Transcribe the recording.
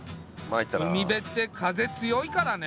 海辺って風強いからね。